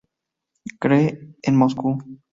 Cree en Moscú.